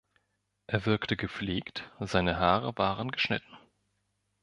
Er wirkte gepflegt, seine Haare waren geschnitten.